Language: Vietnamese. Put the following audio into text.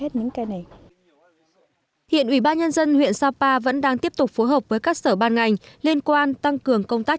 thủy ba nhân dân huyện sapa vẫn đang tiếp tục phối hợp với các sở ban ngành liên quan tăng cường công tác